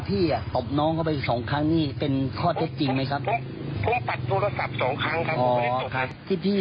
ใช่คือในคลิปมันก็ได้ยินเสียงชัดไง